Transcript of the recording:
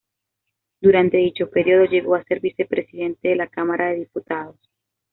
Durante dicho periodo llegó a ser Vicepresidente de la Cámara de Diputados.